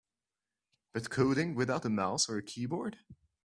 But coding without a mouse or a keyboard?